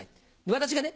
私がね